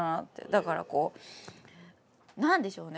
だからこう何でしょうね